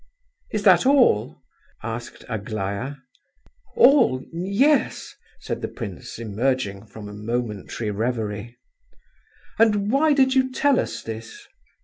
"Is that all?" asked Aglaya. "All? Yes," said the prince, emerging from a momentary reverie. "And why did you tell us this?"